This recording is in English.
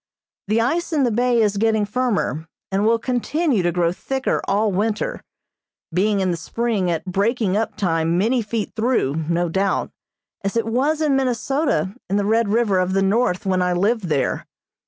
The ice in the bay is getting firmer, and will continue to grow thicker all winter, being in the spring at breaking up time many feet through, no doubt, as it was in Minnesota in the Red River of the North when I lived there.